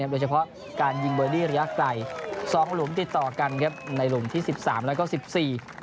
โดยเฉพาะการยิงเบอร์ดี้ระยะไต